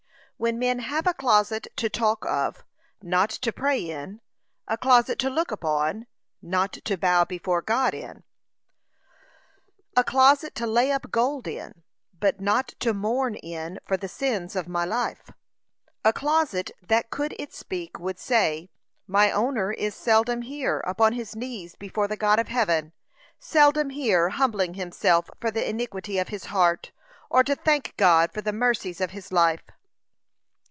When men have a closet to talk of, not to pray in; a closet to look upon, not to bow before God in: a closet to lay up gold in, but not to mourn in for the sins of my life; a closet that could it speak, would say, My owner is seldom here upon his knees before the God of heaven; seldom here humbling himself for the iniquity of his heart, or to thank God for the mercies of his life.